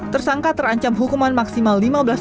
tersangka terancam hukuman maksimal lima belas tahun